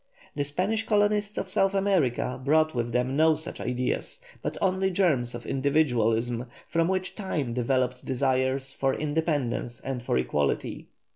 The Spanish colonists of South America brought with them no such ideas but only germs of individualism, from which time developed desires for independence and for equality.